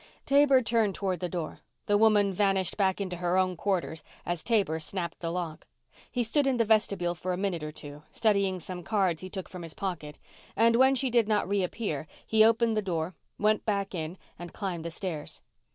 Taber turned toward the door. The woman vanished back into her own quarters as Taber snapped the lock. He stood in the vestibule for a minute or two, studying some cards he took from his pocket, and when she did not reappear, he opened the door, went back in, and climbed the stairs.